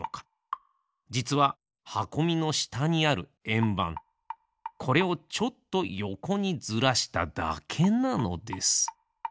じつははこみのしたにあるえんばんこれをちょっとよこにずらしただけなのです。